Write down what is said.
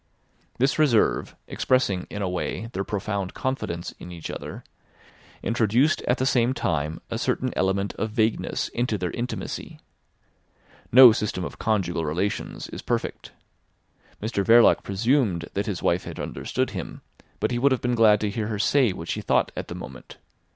This reserve, expressing, in a way, their profound confidence in each other, introduced at the same time a certain element of vagueness into their intimacy. No system of conjugal relations is perfect. Mr Verloc presumed that his wife had understood him, but he would have been glad to hear her say what she thought at the moment.